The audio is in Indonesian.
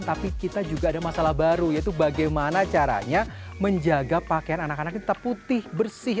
tapi kita juga ada masalah baru yaitu bagaimana caranya menjaga pakaian anak anak kita putih bersih